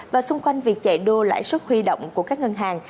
và xung quanh việc chạy đua lãi suất huy động của các ngân hàng